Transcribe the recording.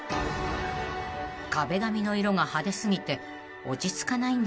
［壁紙の色が派手過ぎて落ち着かないんですが］